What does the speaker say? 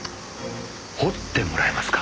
掘ってもらえますか？